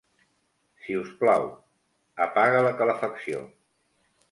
Si us plau, apaga la calefacció.